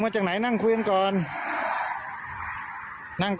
เป็นหลานแล้วเขา